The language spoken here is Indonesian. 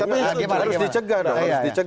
tapi harus dicegah dong